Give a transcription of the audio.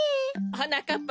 はなかっ